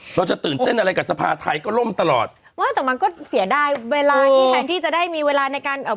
เราจะตื่นเต้นอะไรกับสภาไทยก็ล่มตลอดว่าแต่มันก็เสียดายเวลาที่แทนที่จะได้มีเวลาในการเอ่อ